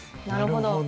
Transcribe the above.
なるほど。